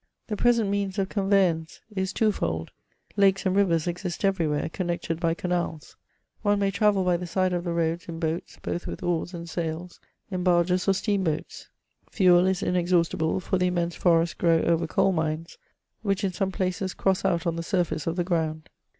The present means of conveyance is two fold : lakes and rivers exist everywhere, connected by canals ; one may travel by the side of the roads in boats, .both vnth oars and sails, in barges or steam boats. Fuel is inexhaustible, for the immense forests grow over coal mines, which in some places cross out on the snrfaoe of the ground.